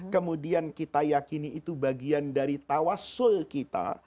kemudian kita yakini itu bagian dari tawassul kita